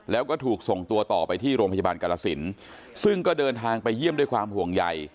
แล้วก็ถูกส่งตัวต่อไปที่โรงพยาบาลกรสินซึ่งก็เดินทางไปเยี่ยมด้วยความห่วงใหญ่